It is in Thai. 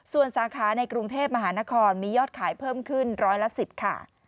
ส่วนสาขาในกรุงเทพมหานครมียอดขายเพิ่มขึ้นร้อยละ๑๐ค่ะ